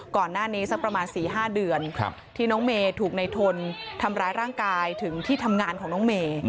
สักประมาณ๔๕เดือนที่น้องเมย์ถูกในทนทำร้ายร่างกายถึงที่ทำงานของน้องเมย์